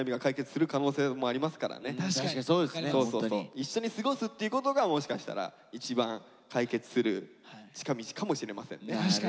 一緒に過ごすっていうことがもしかしたら一番解決する近道かもしれませんね。